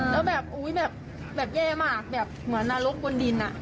แล้วแบบอุ๊ยแบบแย่มากแบบเหมือนนรกบนดิน